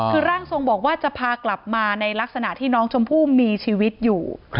คือร่างทรงบอกว่าจะพากลับมาในลักษณะที่น้องชมพู่มีชีวิตอยู่